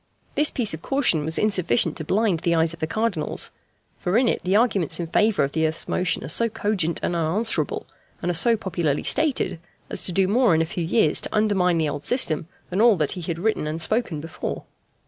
This piece of caution was insufficient to blind the eyes of the Cardinals; for in it the arguments in favour of the earth's motion are so cogent and unanswerable, and are so popularly stated, as to do more in a few years to undermine the old system than all that he had written and spoken before.